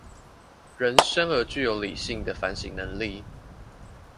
人生而具有理性的反省能力